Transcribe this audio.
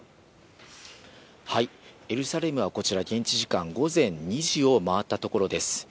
エルサレムはこちら、現地時間午前２時を回ったところです。